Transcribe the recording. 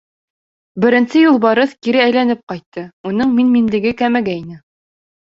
Беренсе Юлбарыҫ кире әйләнеп ҡайтты, уның мин-минлеге кәмегәйне.